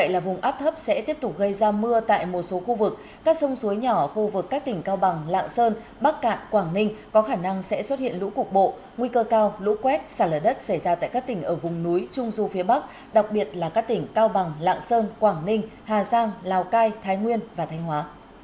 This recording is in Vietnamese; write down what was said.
là vùng áp thấp sẽ tiếp tục gây ra mưa tại một số khu vực các sông suối nhỏ khu vực các tỉnh cao bằng lạng sơn bắc cạn quảng ninh có khả năng sẽ xuất hiện lũ cục bộ nguy cơ cao lũ quét xả lở đất xảy ra tại các tỉnh ở vùng núi trung du phía bắc đặc biệt là các tỉnh cao bằng lạng sơn quảng ninh hà giang lào cai thái nguyên và thanh hóa